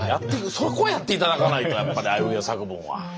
そこやって頂かないとやっぱりあいうえお作文は。